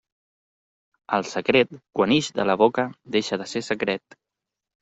El secret, quan ix de la boca, deixa de ser secret.